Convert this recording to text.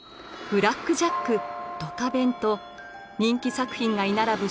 「ブラック・ジャック」「ドカベン」と人気作が居並ぶ